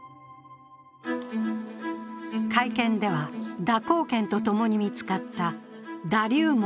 会見では蛇行剣とともに見つかった、だ龍文